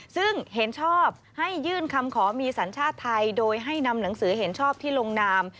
ซึ่งเห็นชอบให้ยื่นคำขอมีสัญชาติไทยโดยให้นำหนังสือเห็นชอบที่ลงนาม